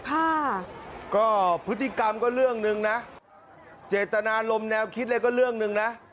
ค่ะก็พฤติกรรมก็เรื่องหนึ่งนะเจตนารมณ์แนวคิดอะไรก็เรื่องหนึ่งนะ